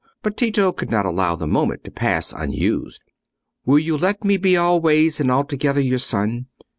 But Tito could not allow the moment to pass unused. "Will you let me be always and altogether your son?